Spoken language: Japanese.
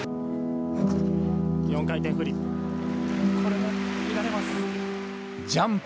４回転フリップ。